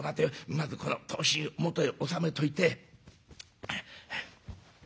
まずこの刀身元へ収めといて」。